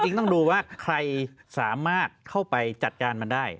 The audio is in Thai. ต้องดูว่าใครสามารถเข้าไปจัดการมันได้